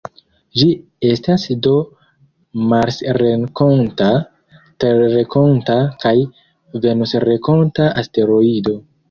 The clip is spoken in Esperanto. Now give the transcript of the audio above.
Ĝi estas do marsrenkonta, terrenkonta kaj venusrenkonta asteroido.